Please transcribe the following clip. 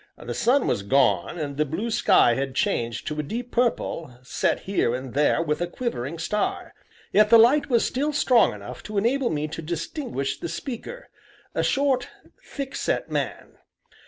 The sun was gone, and the blue sky had changed to a deep purple, set here and there with a quivering star. Yet the light was still strong enough to enable me to distinguish the speaker a short, thick set man.